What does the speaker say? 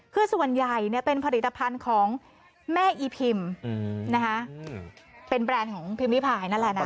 คือส่วนใหญ่เป็นผลิตภัณฑ์ของแม่อีพิมเป็นแบรนด์ของพิมพิพายนั่นแหละนะ